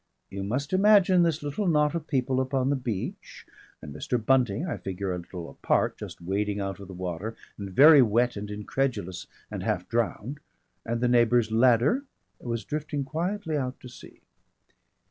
You must imagine this little knot of people upon the beach, and Mr. Bunting, I figure, a little apart, just wading out of the water and very wet and incredulous and half drowned. And the neighbour's ladder was drifting quietly out to sea.